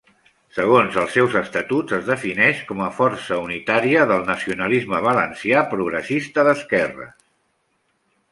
Segons els seus estatuts es defineix com a força unitària del nacionalisme valencià progressista d'esquerres.